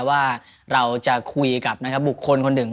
ว่าเราจะคุยกับบุคคลคนหนึ่ง